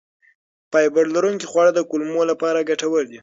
فایبر لرونکي خواړه د کولمو لپاره ګټور دي.